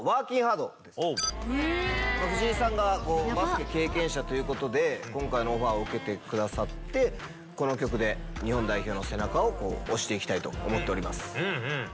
藤井さんがバスケ経験者ということで今回のオファーを受けてくださってこの曲で日本代表の背中を押していきたいと思っております。